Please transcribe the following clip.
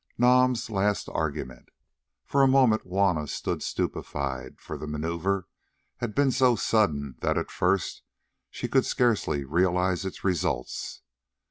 NAM'S LAST ARGUMENT For a moment Juanna stood stupefied; for the manoeuvre had been so sudden that at first she could scarcely realise its results.